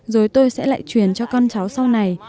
rồi tôi sẽ lại truyền cho con cháu sau này